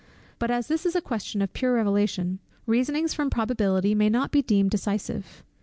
But as this is a question of pure Revelation, reasonings from probability may not be deemed decisive.